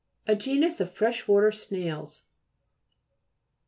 A genus of fresh water snails.